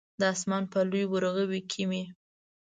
د اسمان په لوی ورغوي کې مې